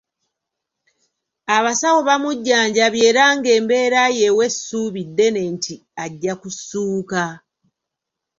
Abasawo bamujjanjabye era ng’embeera ye ewa essuubi ddene nti ajja kussuuka.